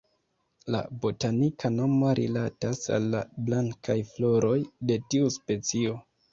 La botanika nomo rilatas al la blankaj floroj de tiu specio.